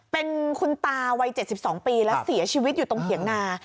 เป็นคุณตาวัย๗๒ปีแล้วเสียชีวิตอยู่ตรงเถียงนา